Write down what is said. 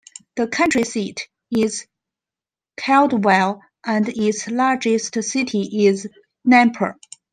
The county seat is Caldwell, and its largest city is Nampa.